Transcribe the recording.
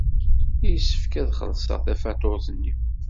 Yessefk ad xellṣeɣ tafatuṛt-nni.